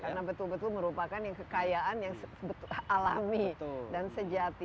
karena betul betul merupakan yang kekayaan yang alami dan sejati